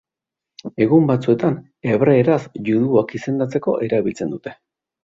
Egun batzuetan hebreeraz juduak izendatzeko erabiltzen dute.